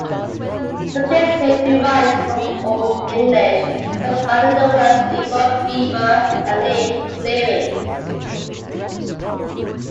The placename derives from Old English, combining the words "befer" "beaver" and "leah" "clearing".